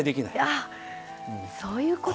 あそういうこと。